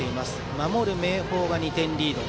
守る明豊は２点リード。